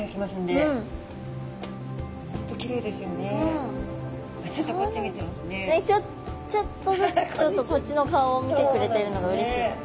ねっちょちょっとずつちょっとこっちの顔を見てくれてるのがうれしい。